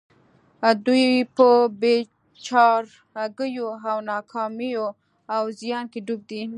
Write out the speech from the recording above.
دوی په بې چارګيو او ناکاميو او زيان کې ډوب دي.